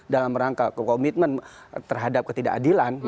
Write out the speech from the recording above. dalam rangka komitmen terhadap ketidakadilan